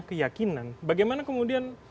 keyakinan bagaimana kemudian